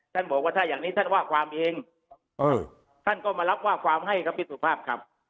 ท่านบอกว่าถ้าอย่างนี้ท่านว่าความเองท่านก็มารับว่าความให้ครับพี่สุภาพครับ